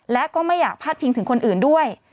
และก็ไม่อยากพาดพิงถึงคนอื่นด้วย